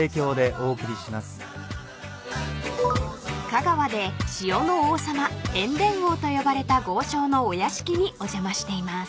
［香川で塩の王様塩田王と呼ばれた豪商のお屋敷にお邪魔しています］